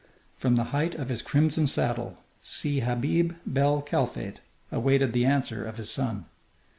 From the height of his crimson saddle Si Habib bel Kalfate awaited the answer of his son.